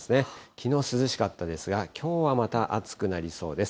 きのう涼しかったですが、きょうはまた暑くなりそうです。